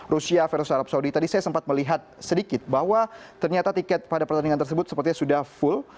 rusia versus arab saudi tadi saya sempat melihat sedikit bahwa ternyata tiket pada pertandingan tersebut sepertinya sudah full